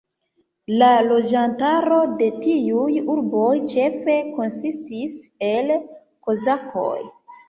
La loĝantaro de tiuj urboj ĉefe konsistis el kozakoj.